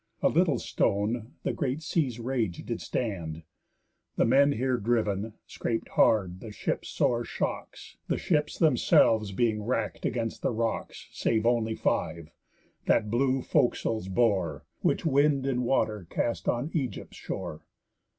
A little stone the great sea's rage did stand. The men here driv'n 'scap'd hard the ship's sore shocks, The ships themselves being wrack'd against the rocks, Save only five, that blue fore castles bore, Which wind and water cast on Egypt's shore.